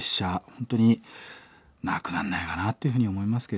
本当になくなんないかなあというふうに思いますけれども。